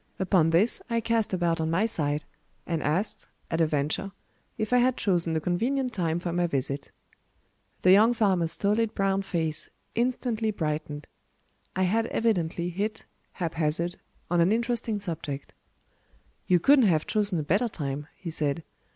Upon this I cast about on my side, and asked, at a venture, if I had chosen a convenient time for my visit The young farmer's stolid brown face instantly brightened. I had evidently hit, hap hazard, on an interesting subject. "You couldn't have chosen a better time," he said.